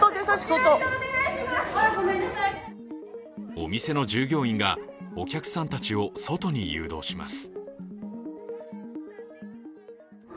お店の従業員がお客さんたちを外に誘導します。